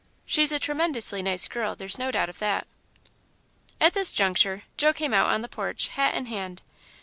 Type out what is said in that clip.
She's a tremendously nice girl there's no doubt of that." At this juncture, Joe came out on the porch, hat in hand.